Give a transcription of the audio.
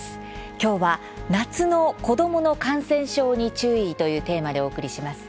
きょうは「夏の子どもの感染症に注意！」というテーマでお送りします。